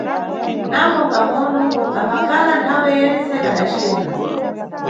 Napo nʼkangʼono, kambakhala nthawe yentse kadacena.